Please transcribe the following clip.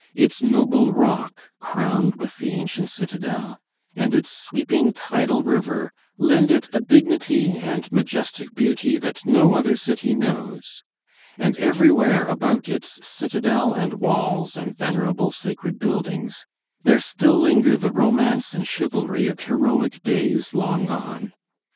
Its noble rock, crowned with the ancient citadel, and its sweeping tidal river, lend it a dignity and majestic beauty that no other city knows; and everywhere about its citadel and walls, and venerable, sacred buildings, there still linger the romance and chivalry of heroic days long gone.